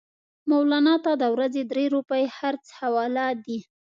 مولنا ته د ورځې درې روپۍ خرڅ حواله دي.